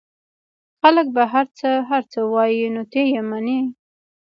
خلک به هرڅه هرڅه وايي نو ته يې منې؟